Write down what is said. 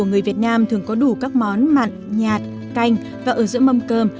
người việt nam thường có đủ các món mặn nhạt canh và ở giữa mâm cơm